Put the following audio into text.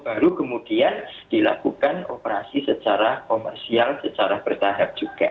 baru kemudian dilakukan operasi secara komersial secara bertahap juga